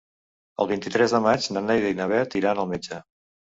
El vint-i-tres de maig na Neida i na Bet iran al metge.